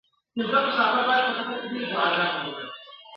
دا ریښتونی تر قیامته شک یې نسته په ایمان کي !.